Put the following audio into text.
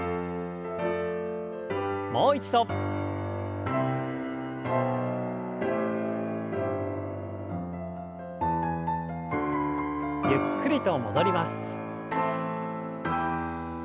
もう一度。ゆっくりと戻ります。